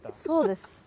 「そうです」。